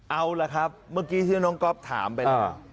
เอาล่ะครับเมื่อกี้ที่น้องก๊อฟถามไปแล้ว